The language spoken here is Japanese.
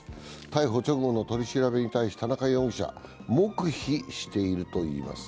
逮捕直後の取り調べに対し田中容疑者、黙秘しているといいます。